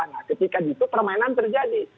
nah ketika gitu permainan terjadi